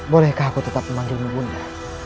bolehkah aku tetap memanggilmu bunda